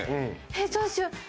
えっどうしよう。